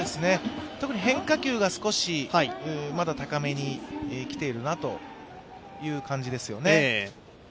特に変化球が少し、まだ高めに来ているなという感じですよね。